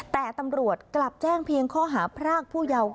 แต่ตำรวจกลับแจ้งเพียงข้อหาพรากผู้เยาว์